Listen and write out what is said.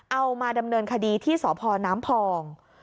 เอามาดำเนินคดีที่สพน้ำพอง